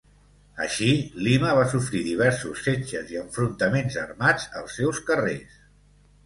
Així, Lima va sofrir diversos setges i enfrontaments armats als seus carrers.